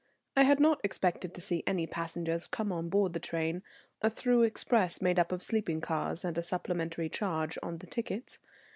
I had not expected to see any passengers come on board the train, a through express, made up of sleeping cars and a supplementary charge on the tickets.